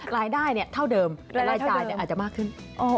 รายได้เท่าเดิมแต่รายจ่ายอาจจะมากขึ้น